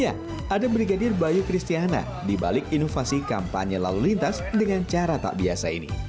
ya ada brigadir bayu kristiana dibalik inovasi kampanye lalu lintas dengan cara tak biasa ini